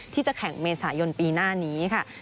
ที่จะแข่งเมษายนปีหน้านี้ค่ะ